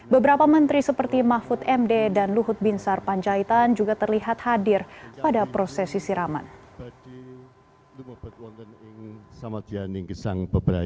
beberapa menteri seperti mahfud md dan luhut binsar panjaitan juga terlihat hadir pada prosesi siraman